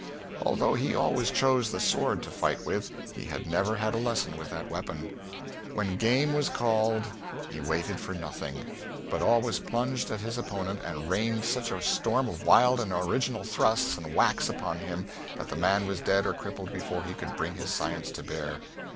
Although he always chose the sword to fight with, he had never had a lesson with that weapon. When game was called he waited for nothing, but always plunged at his opponent and rained such a storm of wild and original thrusts and whacks upon him that the man was dead or crippled before he could bring his science to bear.